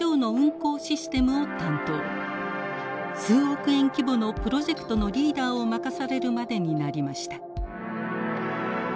数億円規模のプロジェクトのリーダーを任されるまでになりました。